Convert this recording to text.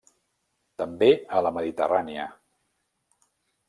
També a la Mediterrània.